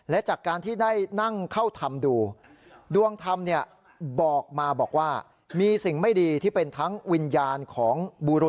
และจากการที่ได้นั่งเข้าทำดู